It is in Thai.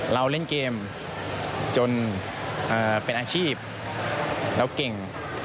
เราเล่นเกมจนเป็นอาชีพเราเก่ง